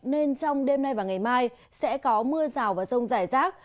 nên trong đêm nay và ngày mai sẽ có mưa rào và rông rải rác